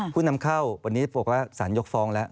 ผู้นำเข้าวันนี้บอกว่าสารยกฟ้องแล้ว